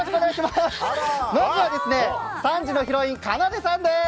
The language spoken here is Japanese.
まずは３時のヒロインかなでさんです。